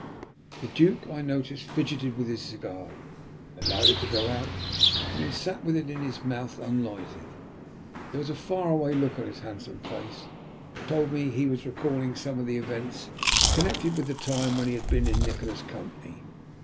The Duke, I noticed, fidgeted with his cigar, allowed it to go out, and then sat with it in his mouth unlighted. There was a far away look on his handsome face that told me that he was recalling some of the events connected with the time when he had been in Nikola's company.